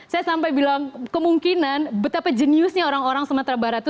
saya sampai bilang kemungkinan betapa jeniusnya orang orang sumatera barat itu